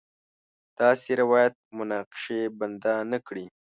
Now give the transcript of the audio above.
داسې روایت مناقشې بنده نه کړي.